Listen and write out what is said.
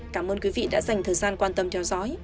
cảm ơn quý vị đã dành thời gian quan tâm theo dõi